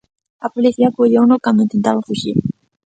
A policía colleuno cando intentaba fuxir.